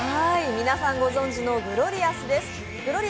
皆さんご存じの「グロリアス」です。